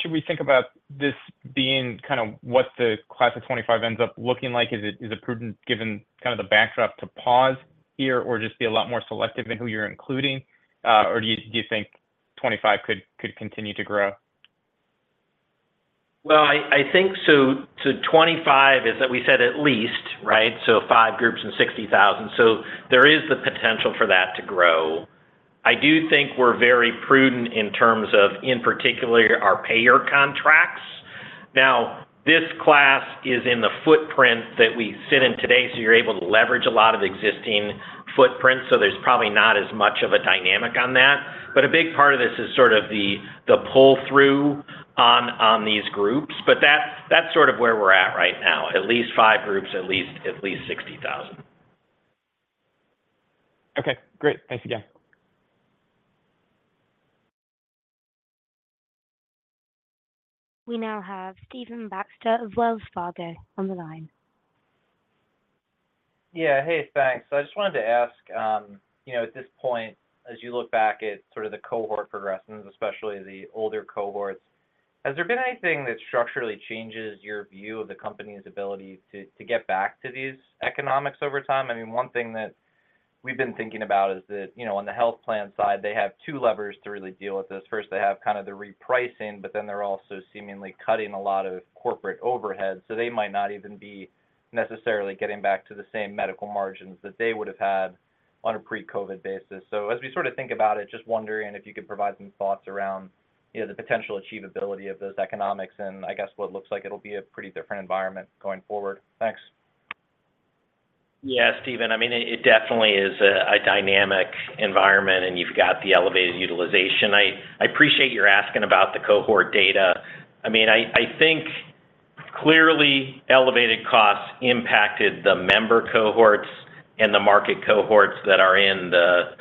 Should we think about this being kind of what the class of 25 ends up looking like? Is it prudent, given kind of the backdrop, to pause here or just be a lot more selective in who you're including? Or do you think 25 could continue to grow? Well, I, I think so. So 25 is that we said at least, right? So five groups and 60,000. So there is the potential for that to grow. I do think we're very prudent in terms of, in particular, our payer contracts. Now, this class is in the footprint that we sit in today, so you're able to leverage a lot of existing footprints, so there's probably not as much of a dynamic on that. But a big part of this is sort of the, the pull-through on, on these groups. But that's, that's sort of where we're at right now, at least five groups, at least, at least 60,000. Okay, great. Thanks again. We now have Stephen Baxter of Wells Fargo on the line. Yeah. Hey, thanks. So I just wanted to ask, you know, at this point, as you look back at sort of the cohort progressions, especially the older cohorts, has there been anything that structurally changes your view of the company's ability to get back to these economics over time? I mean, one thing that we've been thinking about is that, you know, on the health plan side, they have two levers to really deal with this. First, they have kind of the repricing, but then they're also seemingly cutting a lot of corporate overhead, so they might not even be necessarily getting back to the same medical margins that they would have had on a pre-COVID basis. As we sort of think about it, just wondering if you could provide some thoughts around, you know, the potential achievability of those economics and I guess what looks like it'll be a pretty different environment going forward. Thanks. Yeah, Stephen. I mean, it definitely is a dynamic environment, and you've got the elevated utilization. I appreciate you're asking about the cohort data. I mean, I think clearly elevated costs impacted the member cohorts and the market cohorts that are in the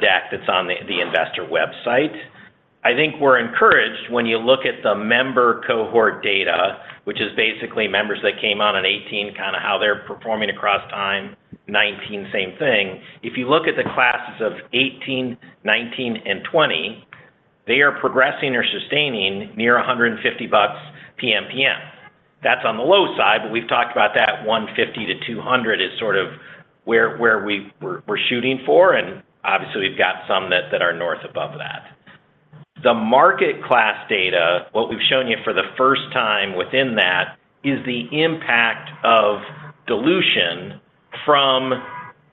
deck that's on the investor website. I think we're encouraged when you look at the member cohort data, which is basically members that came on in 2018, kinda how they're performing across time, 2019, same thing. If you look at the classes of 2018, 2019, and 2020, they are progressing or sustaining near $150 PMPM. That's on the low side, but we've talked about that $150-$200 is sort of where we're shooting for, and obviously, we've got some that are north above that. The market class data, what we've shown you for the first time within that, is the impact of dilution from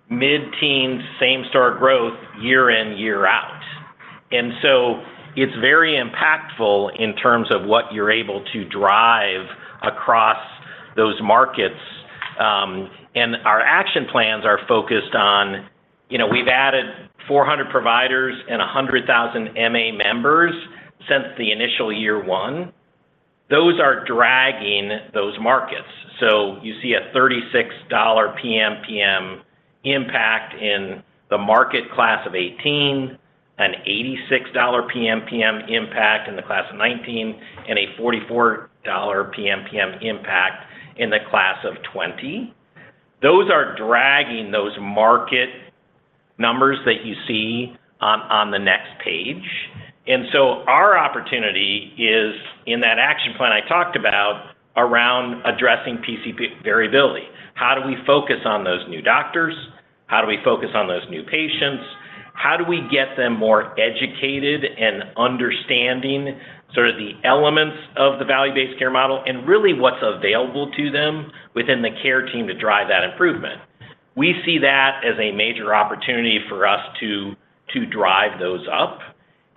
mid-teen same-store growth year in, year out. And so it's very impactful in terms of what you're able to drive across those markets. And our action plans are focused on, you know, we've added 400 providers and 100,000 MA members since the initial year one. Those are dragging those markets. So you see a $36 PMPM impact in the market class of 18, an $86 PMPM impact in the class of 19, and a $44 PMPM impact in the class of 20. Those are dragging those market numbers that you see on the next page. And so our opportunity is, in that action plan I talked about, around addressing PCP variability. How do we focus on those new doctors? How do we focus on those new patients? How do we get them more educated and understanding sort of the elements of the value-based care model, and really what's available to them within the care team to drive that improvement? We see that as a major opportunity for us to drive those up.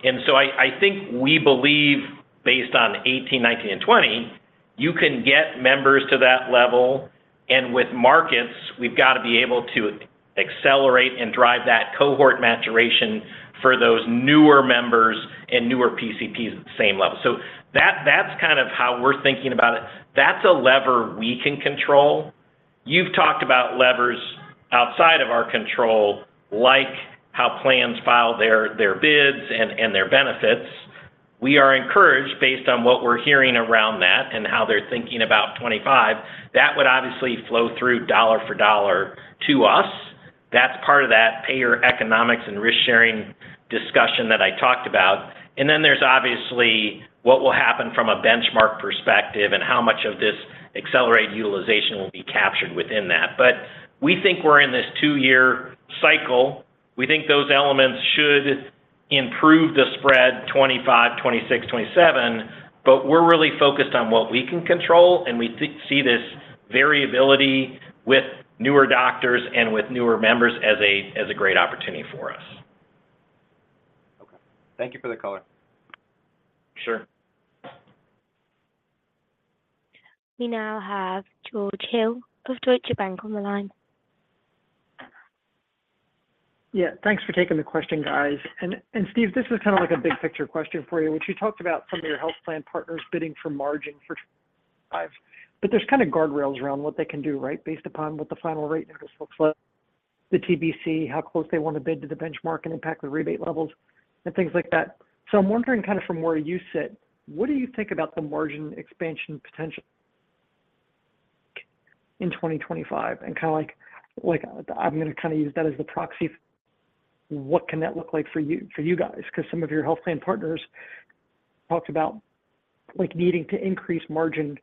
And so I, I think we believe based on 2018, 2019, and 2020, you can get members to that level, and with markets, we've got to be able to accelerate and drive that cohort maturation for those newer members and newer PCPs at the same level. So that, that's kind of how we're thinking about it. That's a lever we can control. You've talked about levers outside of our control, like how plans file their bids and their benefits. We are encouraged based on what we're hearing around that and how they're thinking about 2025. That would obviously flow through dollar for dollar to us. That's part of that payer economics and risk-sharing discussion that I talked about. Then there's obviously what will happen from a benchmark perspective and how much of this accelerated utilization will be captured within that. We think we're in this 2-year cycle. We think those elements should improve the spread, 2025, 2026, 2027, but we're really focused on what we can control, and we see this variability with newer doctors and with newer members as a great opportunity for us. Okay. Thank you for the color. Sure. We now have George Hill of Deutsche Bank on the line. Yeah, thanks for taking the question, guys. And Steve, this is kind of like a big-picture question for you, which you talked about some of your health plan partners bidding for margin for five. But there's kind of guardrails around what they can do, right? Based upon what the final rate notice looks like, the TBC, how close they want to bid to the benchmark, and impact the rebate levels and things like that. So I'm wondering kind of from where you sit, what do you think about the margin expansion potential in 2025? And kind of like, like, I'm gonna kind of use that as the proxy. What can that look like for you, for you guys? Because some of your health plan partners talked about, like, needing to increase margin,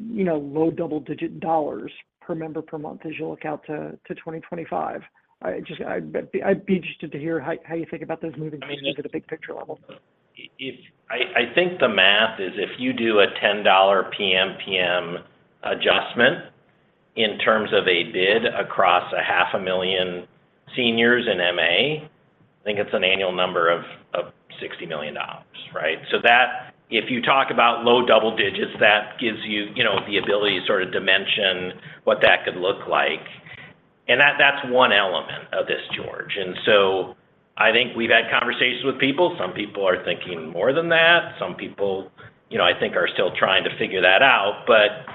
you know, low double-digit $ per member per month as you look out to 2025. I'd be interested to hear how you think about those moving pieces at a big picture level. I think the math is, if you do a $10 PMPM adjustment in terms of a bid across 500,000 seniors in MA, I think it's an annual number of $60 million, right? So that, if you talk about low double digits, that gives you, you know, the ability to sort of dimension what that could look like. And that's one element of this, George. And so I think we've had conversations with people. Some people are thinking more than that. Some people, you know, I think, are still trying to figure that out. But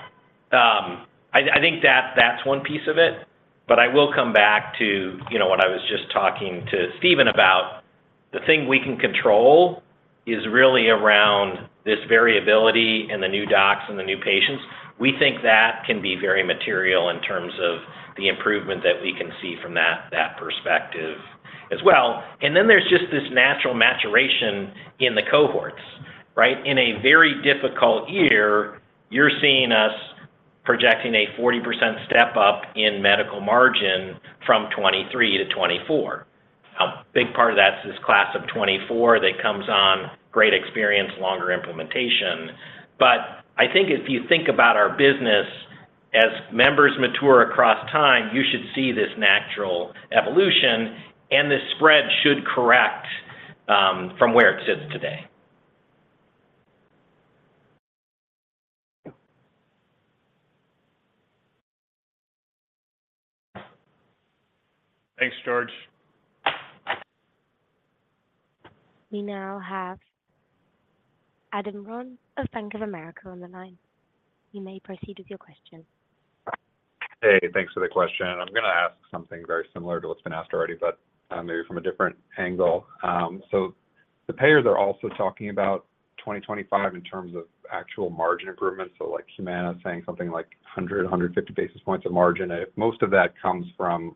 I think that's one piece of it. But I will come back to, you know, what I was just talking to Steven about. The thing we can control is really around this variability in the new docs and the new patients. We think that can be very material in terms of the improvement that we can see from that, that perspective as well. And then there's just this natural maturation in the cohorts, right? In a very difficult year, you're seeing us projecting a 40% step-up in medical margin from 2023-2024. A big part of that is this class of 2024 that comes on, great experience, longer implementation. But I think if you think about our business, as members mature across time, you should see this natural evolution, and this spread should correct, from where it sits today. Thanks, George. We now have Adam Ron of Bank of America on the line. You may proceed with your question. Hey, thanks for the question. I'm gonna ask something very similar to what's been asked already, but maybe from a different angle. So the payers are also talking about 2025 in terms of actual margin improvements. So, like, Humana is saying something like 100, 150 basis points of margin. If most of that comes from,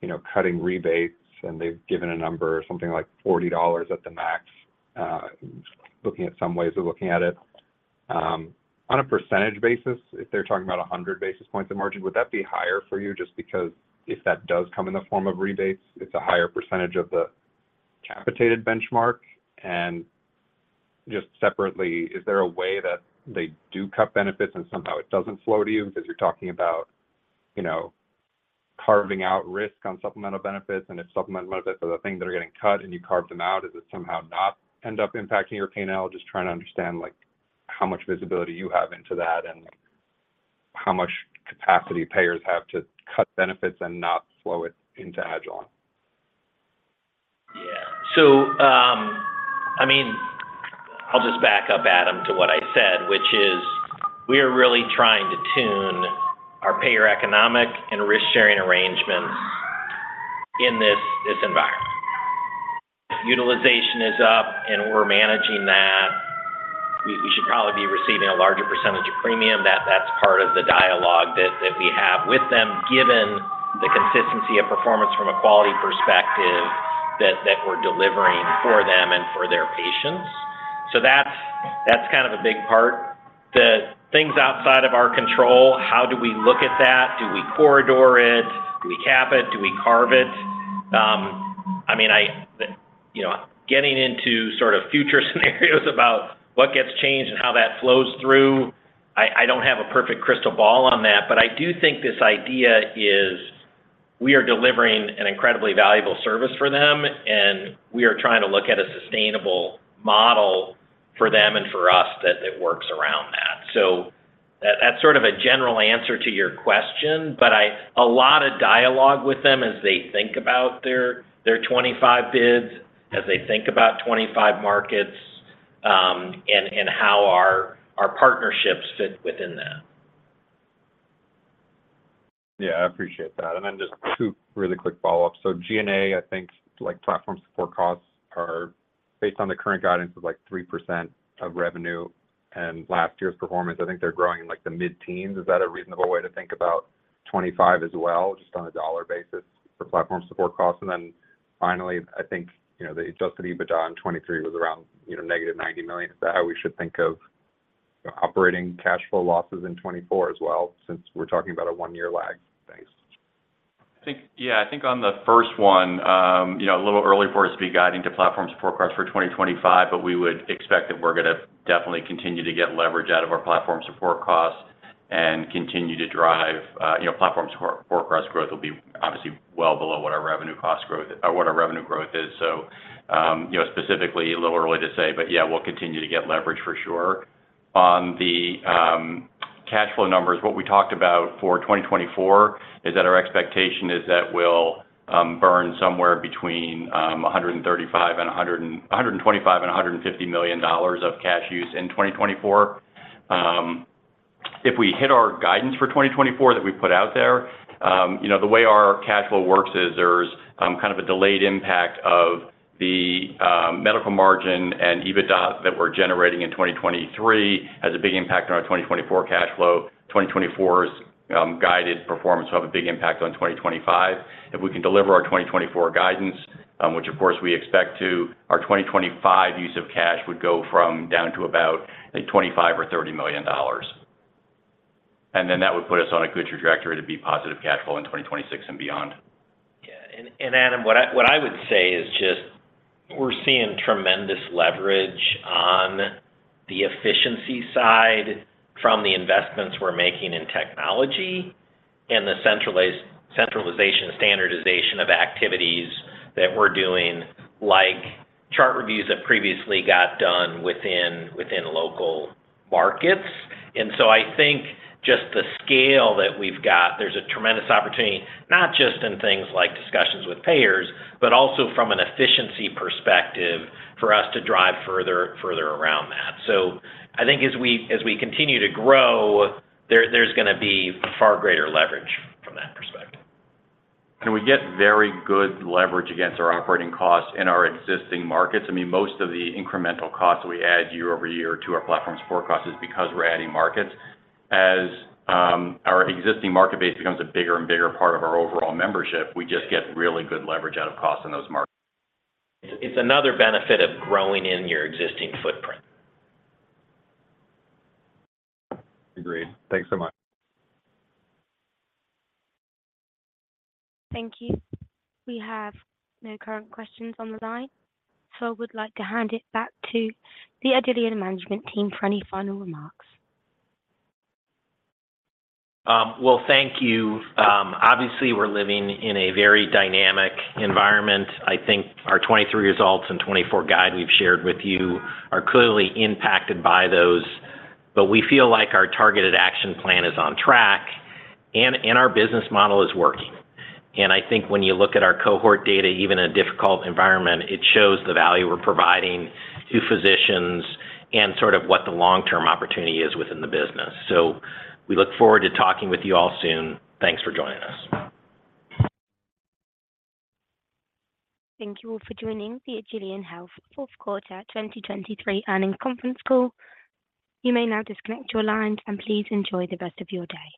you know, cutting rebates, and they've given a number, something like $40 at the max, looking at some ways of looking at it. On a percentage basis, if they're talking about 100 basis points of margin, would that be higher for you? Just because if that does come in the form of rebates, it's a higher percentage of the capitated benchmark. And just separately, is there a way that they do cut benefits and somehow it doesn't flow to you? Because you're talking about, you know, carving out risk on supplemental benefits, and if supplemental benefits are the things that are getting cut and you carve them out, does it somehow not end up impacting your P&L? Just trying to understand, like, how much visibility you have into that and, like, how much capacity payers have to cut benefits and not flow it into agilon. Yeah. So, I mean, I'll just back up, Adam, to what I said, which is we are really trying to tune our payer economic and risk-sharing arrangements in this environment. Utilization is up, and we're managing that. We should probably be receiving a larger percentage of premium. That's part of the dialogue that we have with them, given the consistency of performance from a quality perspective that we're delivering for them and for their patients. So that's kind of a big part. The things outside of our control, how do we look at that? Do we corridor it? Do we cap it? Do we carve it? I mean, I, you know, getting into sort of future scenarios about what gets changed and how that flows through, I don't have a perfect crystal ball on that. But I do think this idea is we are delivering an incredibly valuable service for them, and we are trying to look at a sustainable model for them and for us that works around that. So that's sort of a general answer to your question, but a lot of dialogue with them as they think about their 25 bids, as they think about 25 markets, and how our partnerships fit within that. Yeah, I appreciate that. And then just two really quick follow-ups. So G&A, I think, like platform support costs are based on the current guidance of, like, 3% of revenue and last year's performance. I think they're growing in, like, the mid-teens. Is that a reasonable way to think about 25 as well, just on a dollar basis for platform support costs? And then finally, I think, you know, the Adjusted EBITDA in 2023 was around, you know, -$90 million. Is that how we should think of operating cash flow losses in 2024 as well, since we're talking about a one-year lag? Thanks. I think. Yeah, I think on the first one, you know, a little early for us to be guiding to platform support costs for 2025, but we would expect that we're gonna definitely continue to get leverage out of our platform support costs and continue to drive, you know, platform support, support costs growth will be obviously well below what our revenue cost growth or what our revenue growth is. So, you know, specifically, a little early to say, but yeah, we'll continue to get leverage for sure. On the cash flow numbers, what we talked about for 2024 is that our expectation is that we'll burn somewhere between a hundred and twenty-five and a hundred and fifty million dollars of cash use in 2024. If we hit our guidance for 2024 that we put out there, you know, the way our cash flow works is there's kind of a delayed impact of the medical margin and EBITDA that we're generating in 2023, has a big impact on our 2024 cash flow. 2024's guided performance will have a big impact on 2025. If we can deliver our 2024 guidance, which of course we expect to, our 2025 use of cash would go from down to about, like, $25 million or $30 million. And then that would put us on a good trajectory to be positive cash flow in 2026 and beyond. Yeah. And Adam, what I would say is just we're seeing tremendous leverage on the efficiency side from the investments we're making in technology and the centralization, standardization of activities that we're doing, like chart reviews that previously got done within local markets. And so I think just the scale that we've got, there's a tremendous opportunity, not just in things like discussions with payers, but also from an efficiency perspective for us to drive further around that. So I think as we continue to grow, there's gonna be far greater leverage from that perspective. We get very good leverage against our operating costs in our existing markets. I mean, most of the incremental costs we add year-over-year to our platform support costs is because we're adding markets. As our existing market base becomes a bigger and bigger part of our overall membership, we just get really good leverage out of costs in those markets. It's another benefit of growing in your existing footprint. Agreed. Thanks so much. Thank you. We have no current questions on the line, so I would like to hand it back to the agilon management team for any final remarks. Well, thank you. Obviously, we're living in a very dynamic environment. I think our 2023 results and 2024 guide we've shared with you are clearly impacted by those, but we feel like our targeted action plan is on track, and our business model is working. I think when you look at our cohort data, even in a difficult environment, it shows the value we're providing to physicians and sort of what the long-term opportunity is within the business. We look forward to talking with you all soon. Thanks for joining us. Thank you all for joining the agilon health Fourth Quarter 2023 earnings conference call. You may now disconnect your lines, and please enjoy the rest of your day.